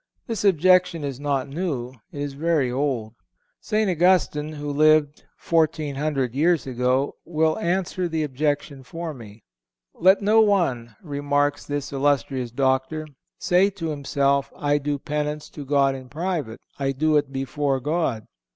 This objection is not new. It is very old. St. Augustine, who lived fourteen hundred years ago, will answer the objection for me: "Let no one," remarks this illustrious Doctor, "say to himself, I do penance to God in private; I do it before God.